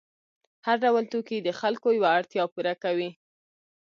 هر ډول توکي د خلکو یوه اړتیا پوره کوي.